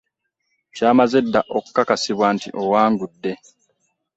Kyamaze dda okukakasibwa nti owangudde.